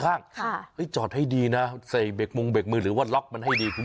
ข้างจอดให้ดีเศนเบกมุงเบกมืดหรือว่าล็องท์ให้ดี